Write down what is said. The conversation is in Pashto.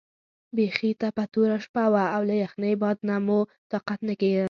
بیخي تپه توره شپه وه او له یخنۍ باد نه مو طاقت نه کېده.